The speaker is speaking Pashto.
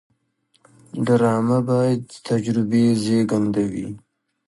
ډرامه باید د تجربې زیږنده وي